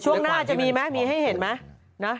ช่วงหน้าจะมีไหมมีให้เห็นไหม